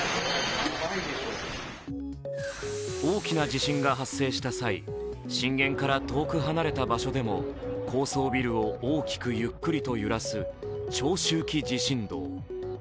大きな地震が発生した際、震源から遠く離れた場所でも高層ビルを大きくゆっくりと揺らす長周期地震動。